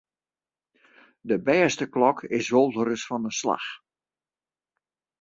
De bêste klok is wolris fan 'e slach.